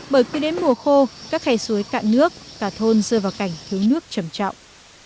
bởi cứ đến mùa khô các khe suối cạn nước cả thôn rơi vào cảnh thiếu nước trầm trọng